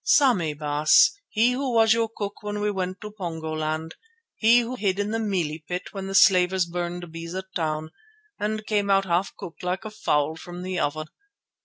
"Sammy, Baas, he who was your cook when we went to Pongoland, he who hid in the mealie pit when the slavers burned Beza Town and came out half cooked like a fowl from the oven.